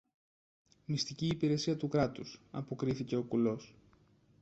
Μυστική υπηρεσία του Κράτους, αποκρίθηκε ο κουλός.